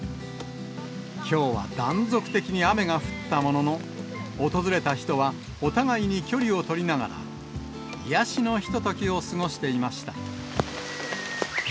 きょうは断続的に雨が降ったものの、訪れた人は、お互いに距離を取りながら、癒やしのひとときを過ごしていました。